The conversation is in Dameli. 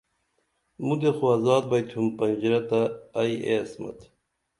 مُدے خو ازاد بئتُھم پنژِرہ تہ ائی اے عصمت